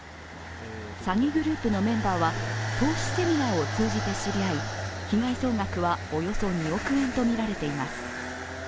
詐欺グループのメンバーは投資セミナーを通じて知り合い、被害総額はおよそ２億円とみられています。